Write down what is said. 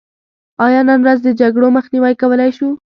آیا نن ورځ د جګړو مخنیوی کولی شو؟